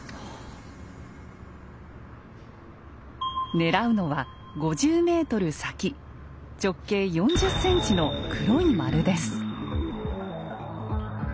狙うのは５０ｍ先直径４０ｃｍの黒い丸です。